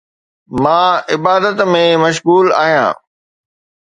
مان عبادت ۾ مشغول آهيان